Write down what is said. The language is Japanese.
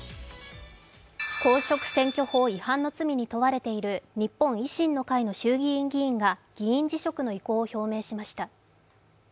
公職選挙法違反の罪に問われている日本維新の会の衆議院議員が議員辞職の意向を表明しました。